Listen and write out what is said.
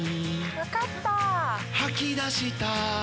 分かった。